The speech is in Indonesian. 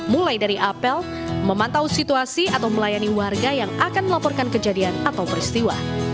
mulai dari apel memantau situasi atau melayani warga yang akan melaporkan kejadian atau peristiwa